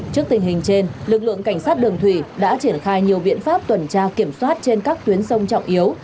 trước tình hình trên lực lượng cảnh sát đường thủy đã triển khai nhiều biện pháp tuần tra kiểm soát trên các tuyến sông trọng yếu